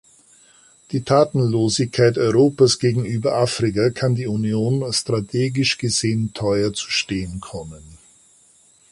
Die Tatenlosigkeit Europas gegenüber Afrika kann die Union strategisch gesehen teuer zu stehen kommen.